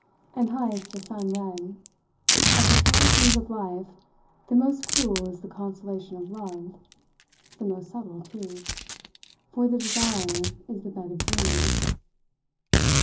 And Heyst, the son, read: Of the stratagems of life the most cruel is the consolation of love the most subtle, too; for the desire is the bed of dreams.